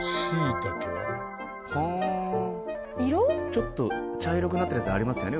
ちょっと茶色くなってるやつありますよね